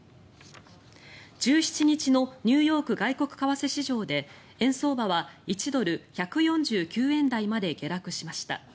１７日のニューヨーク外国為替市場で円相場は１ドル＝１４９円台まで下落しました。